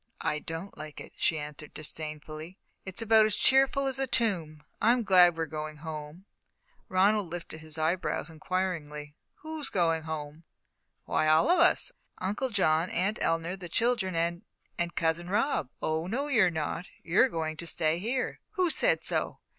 "I don't like it," she answered disdainfully. "It's about as cheerful as a tomb. I'm glad we're going home." Ronald lifted his brows inquiringly. "Who's going home?" "Why, all of us Uncle John, Aunt Eleanor, the children, and and Cousin Rob." "Oh, no, you're not! You're going to stay here." "Who said so?"